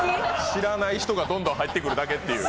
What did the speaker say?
知らない人がどんどん入ってくるだけっていう。